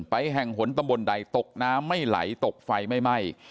แห่งหนตำบลใดตกน้ำไม่ไหลตกไฟไม่ไหม้